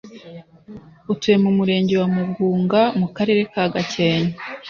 utuye mu Murenge wa Mugunga mu Karere ka Gakenke